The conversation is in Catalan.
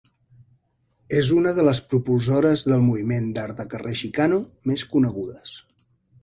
És una de les propulsores del moviment d'art de carrer xicano més conegudes.